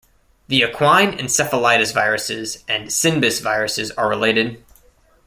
The equine encephalitis viruses and Sindbis viruses are related.